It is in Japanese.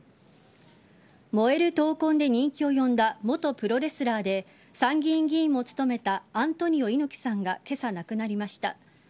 燃える闘魂で人気を呼んだ元プロレスラーで参議院議員も務めたアントニオ猪木さんが今朝亡くなりました。